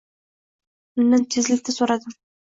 Undan tezlikda so`radim